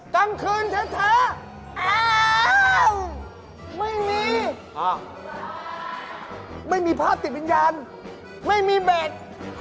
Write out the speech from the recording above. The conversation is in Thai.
ตามคืนเถอะไม่มีไม่มีภาพติดประญาณไม่มีเบต